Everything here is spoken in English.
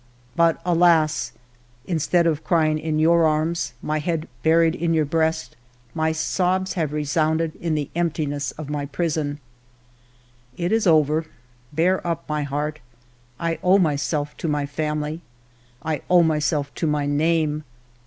But, alas ! instead of crying in your arms, my head buried in your breast, my sobs have resounded in the emptiness of my prison. " It is over. Bear up, my heart. I owe my self to my family. I owe myself to my name.